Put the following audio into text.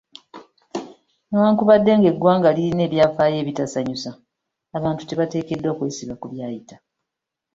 Newankubadde nga eggwanga lirina ebyafaayo ebitasanyusa, abantu tebateekeddwa kwesiba ku byayita.